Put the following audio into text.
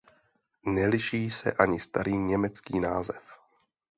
Neliší se ani starý německý název.